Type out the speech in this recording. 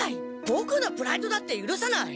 ボクのプライドだってゆるさない。